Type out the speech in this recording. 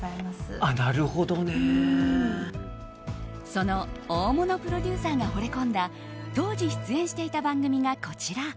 その大物プロデューサーが惚れ込んだ当時出演していた番組がこちら。